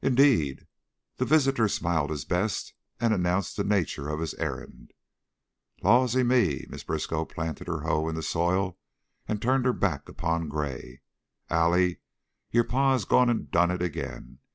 "Indeed!" The visitor smiled his best and announced the nature of his errand. "Lawsy me!" Mrs. Briskow planted her hoe in the soil and turned her back upon Gray. "Allie! Yore pa has gone an' done it again.